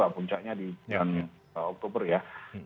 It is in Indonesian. puncaknya di bulan oktober ya